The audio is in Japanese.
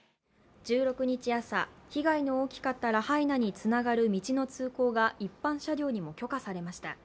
１６日朝、被害の大きかったラハイナに通じる一般車両にも許可されました。